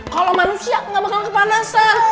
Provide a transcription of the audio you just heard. kalau manusia gak bakalan kepanasan